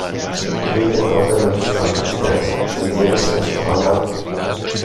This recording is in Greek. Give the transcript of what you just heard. Βγήκε τότε με τους υπασπιστές και γύρισε στο παλάτι.